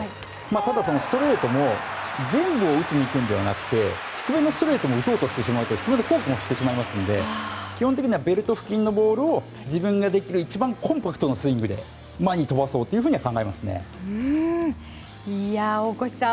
ただ、ストレートも全部を打ちにいくのではなくて低めのストレートも打とうとしてしまうと低めのフォークも振ってしまいますので基本的にはベルト付近のボールを自分ができる一番コンパクトなスイングで大越さん